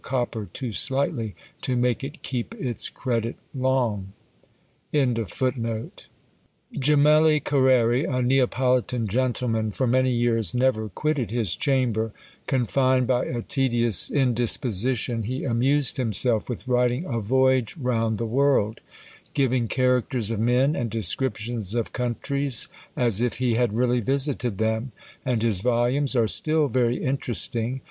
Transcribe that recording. Burnet's book against Varillas is a curious little volume. Gemelli Carreri, a Neapolitan gentleman, for many years never quitted his chamber; confined by a tedious indisposition, he amused himself with writing a Voyage round the World; giving characters of men, and descriptions of countries, as if he had really visited them: and his volumes are still very interesting.